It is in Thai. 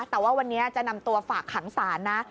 แต่ว่าวันนี้จะนำตัวฝากขังศาลนะ